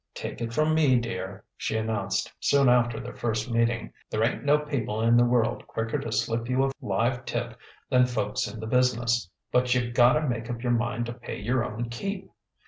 "Take it from me, dear," she announced soon after their first meeting: "there ain't no people in the world quicker to slip you a live tip than folks in the business; but you gotta make up your mind to pay your own keep.